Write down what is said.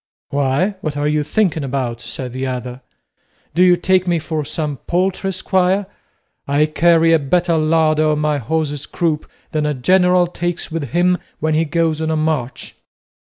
"Why, what are you thinking about?" said the other; "do you take me for some paltry squire? I carry a better larder on my horse's croup than a general takes with him when he goes on a march."